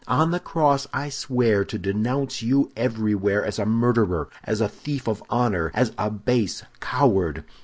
On the cross I swear to denounce you everywhere as a murderer, as a thief of honor, as a base coward!